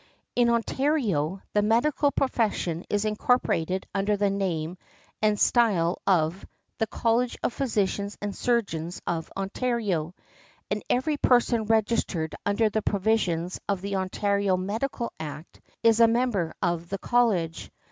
In Ontario, the medical profession is incorporated under the name and style of "The College of Physicians and Surgeons of Ontario," and every person registered under the provisions of the Ontario Medical Act is a member of the college.